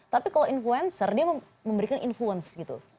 tapi kalau influencer dia memberikan influence gitu